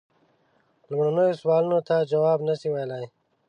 لومړنیو سوالونو ته جواب نه سي ویلای.